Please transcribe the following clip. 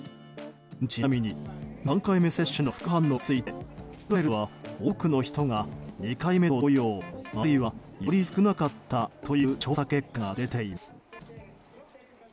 ちなみに３回目接種の副反応についてイスラエルでは、多くの人が２回目と同様あるいは、より少なかったという調査結果が出ています。